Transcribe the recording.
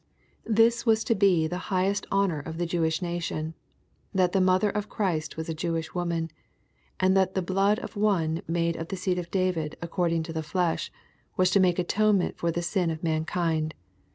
This was to be the highest LtJKE, CHAP. II. 69 honor cf the Jewish nation^ that the mother of Christ was a Jewish woman, and that the blood of One *^ made of the seed of David, according to the flesh," was to make atonement for the sin of mankind.